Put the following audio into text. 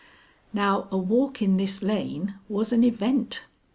Now a walk in this lane was an event.